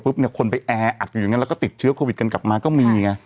เนี่ยคนไปแออัดอยู่อย่างนั้นแล้วก็ติดเชื้อโควิดกันกลับมาก็มีไง